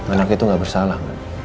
anaknya itu gak bersalah